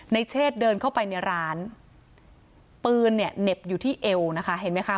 เชศเดินเข้าไปในร้านปืนเนี่ยเหน็บอยู่ที่เอวนะคะเห็นไหมคะ